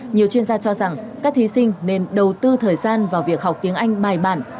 nhiều chuyên gia cho rằng các thí sinh nên đầu tư thời gian vào việc học tiếng anh bài bản